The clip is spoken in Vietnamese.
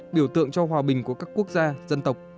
biểu tượng cho hòa bình của các quốc gia dân tộc